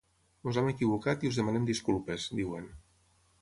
“Ens hem equivocat i us demanem disculpes”, diuen.